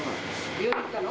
病院行ったの？